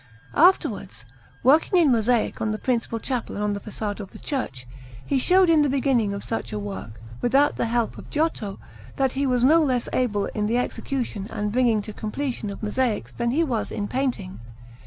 Afterwards, working in mosaic on the principal chapel and on the façade of the church, he showed in the beginning of such a work, without the help of Giotto, that he was no less able in the execution and bringing to completion of mosaics than he was in painting.